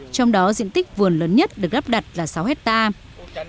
trong đó diện tích vườn lớn nhất được lắp đặt là sáu hectare